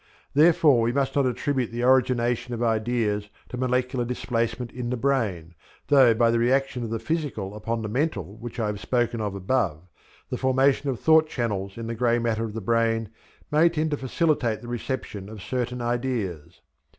Therefore we must not attribute the origination of ideas to molecular displacement in the brain, though, by the reaction of the physical upon the mental which I have spoken of above, the formation of thought channels in the grey matter of the brain may tend to facilitate the reception of certain ideas.